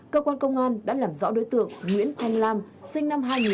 cơ quan công an đã làm rõ đối tượng nguyễn thanh lam sinh năm hai nghìn